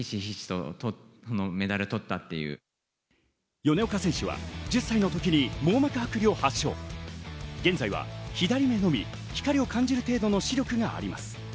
米岡選手は１０歳の時に網膜剥離を発症、現在は左眼のみ光を感じる程度の視力があります。